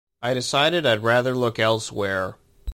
I decided I'd rather look elsewhere.